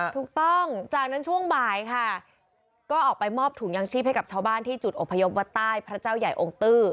ถูกต้องจากนั้นช่วงบ่ายค่ะก็ออกไปมอบถุงยางชีพให้กับชาวบ้านที่จุดอพยพวัดใต้พระเจ้าใหญ่องค์ตื้อ